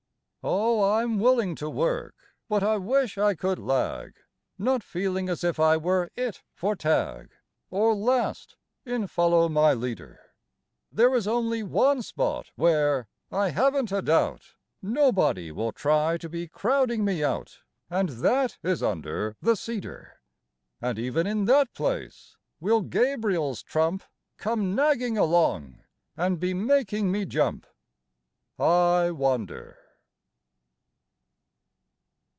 Oh, I'm willing to work, but I wish I could lag, Not feeling as if I were "it" for tag, Or last in follow my leader; There is only one spot where, I haven't a doubt, Nobody will try to be crowding me out, And that is under the cedar. And even in that place, will Gabriel's trump Come nagging along and be making me jump? I wonder.